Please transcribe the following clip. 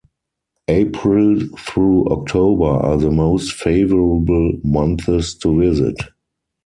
April through October are the most favorable months to visit.